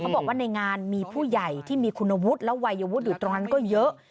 บอกว่าในงานมีผู้ใหญ่ที่มีคุณวุฒิและวัยวุฒิอยู่ตรงนั้นก็เยอะ